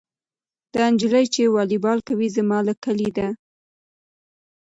دا نجلۍ چې والیبال کوي زما له کلي ده.